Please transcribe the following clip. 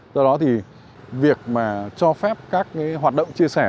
do đó thì việc mà cho phép các cái hoạt động chia sẻ